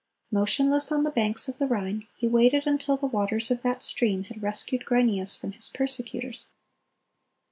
"Motionless on the banks of the Rhine, he waited until the waters of that stream had rescued Grynæus from his persecutors.